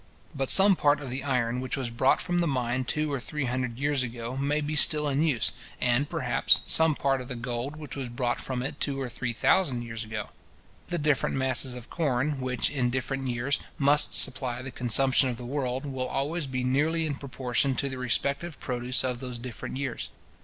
But some part of the iron which was brought from the mine two or three hundred years ago, may be still in use, and, perhaps, some part of the gold which was brought from it two or three thousand years ago. The different masses of corn, which, in different years, must supply the consumption of the world, will always be nearly in proportion to the respective produce of those different years.